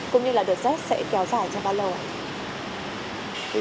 cũng như là đợt xét sẽ kéo dài cho ba lời